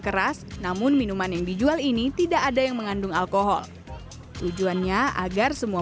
keras namun minuman yang dijual ini tidak ada yang mengandung alkohol tujuannya agar semua